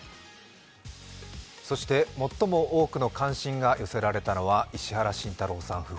そして最も多くの関心が寄せられたのは石原慎太郎さん